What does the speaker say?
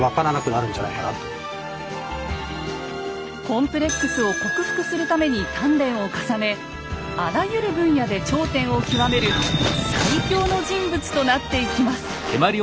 コンプレックスを克服するために鍛練を重ねあらゆる分野で頂点を極める最強の人物となっていきます。